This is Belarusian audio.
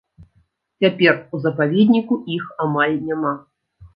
Цяпер у запаведніку іх амаль няма.